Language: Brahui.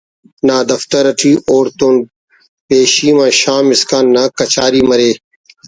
نا دفتر اٹی اوڑتون پیشیم آن شام اسکان نا کچاری مرے